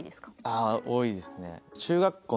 ああ多いですね